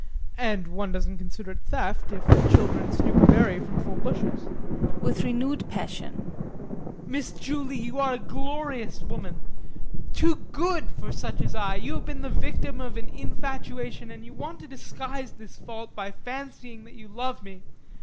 And one doesn't consider it theft if children snoop a berry from full bushes. [With renewed passion]. Miss Julie, you are a glorious woman too good for such as I. You have been the victim of an infatuation and you want to disguise this fault by fancying that you love me.